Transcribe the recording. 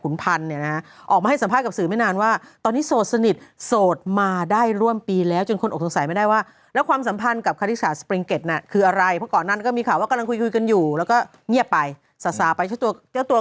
คุณพันธ์นี้นะฮะออกมาให้สัมภาษณ์กับสือไม่นานว่า